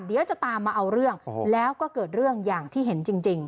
เดี๋ยวจะตามมาเอาเรื่องแล้วก็เกิดเรื่องอย่างที่เห็นจริง